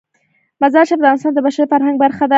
مزارشریف د افغانستان د بشري فرهنګ برخه ده.